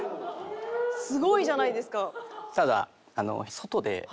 すごいじゃないですか。